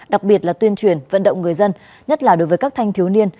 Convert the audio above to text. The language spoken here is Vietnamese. đặc biệt là tuyên truyền vận động người dân nhất là đối với các thanh thiếu niên